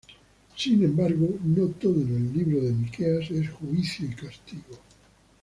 Sin embargo, no todo en el libro de Miqueas es juicio y castigo.